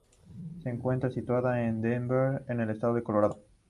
Se encuentra situada en Denver en el estado de Colorado.